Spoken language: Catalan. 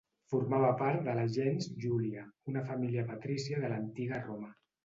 Formava part de la gens Júlia, una família patrícia de l'Antiga Roma.